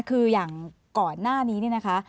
คืออย่างก่อนหน้านี้เนี่ยนะคะ